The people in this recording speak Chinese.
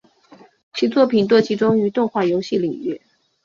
其作品多集中于动画游戏领域。